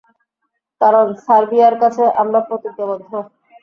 কারণ, সার্বিয়ার কাছে আমরা প্রতিজ্ঞাবদ্ধ।